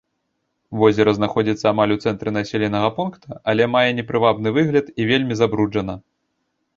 Возера знаходзіцца амаль у цэнтры населенага пункта, але мае непрывабны выгляд і вельмі забруджана.